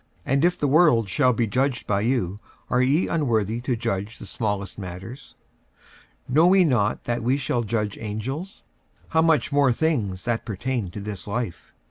and if the world shall be judged by you, are ye unworthy to judge the smallest matters? 46:006:003 Know ye not that we shall judge angels? how much more things that pertain to this life?